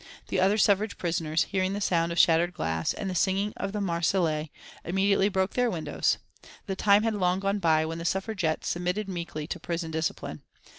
The other suffrage prisoners, hearing the sound of shattered glass, and the singing of the Marseillaise, immediately broke their windows. The time had long gone by when the Suffragettes submitted meekly to prison discipline.